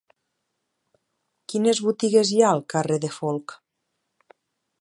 Quines botigues hi ha al carrer de Folc?